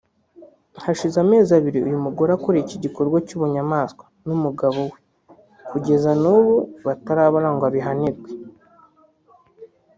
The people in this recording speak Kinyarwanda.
Hashize amezi abiri uyu mugore akorewe iki gikorwa cy’ubunyamaswa n’umugabo we kugeza nanubu batarabona ngo abihanirwe